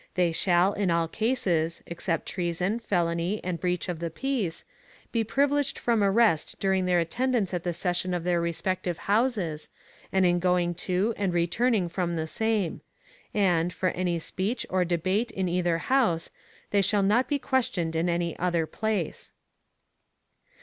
They shall in all cases, except treason, felony and breach of the peace, be privileged from arrest during their attendance at the session of their respective Houses, and in going to and returning from the same; and, for any speech or debate in either House, they shall not be questioned in any other place.